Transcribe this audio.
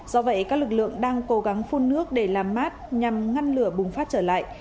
do vậy các lực lượng đang cố gắng phun nước để làm mát nhằm ngăn lửa bùng phát trở lại